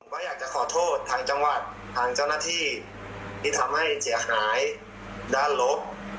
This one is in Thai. ก็อยากจะขอโทษทางจังหวัดทางเจ้าหน้าที่ที่ทำให้เสียหายด้านลบ